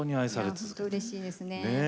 いやほんとうれしいですねえ。